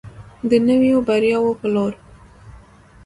د نویو بریاوو په لور.